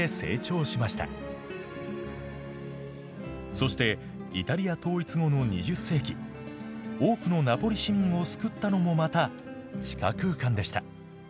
そしてイタリア統一後の２０世紀多くのナポリ市民を救ったのもまた地下空間でした。